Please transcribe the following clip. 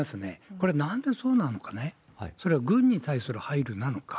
これはなんでそうなのかね、それは軍に対する配慮なのか。